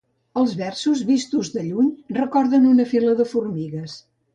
Els versos vistos des de lluny recorden una fila de formigues.